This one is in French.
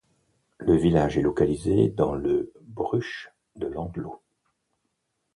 Le village est localisé dans le Bruch de l'Andlau.